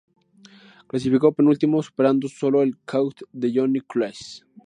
Clasificó penúltimo, superando sólo al Connaught de Johnny Claes.